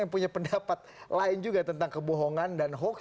yang punya pendapat lain juga tentang kebohongan dan hoax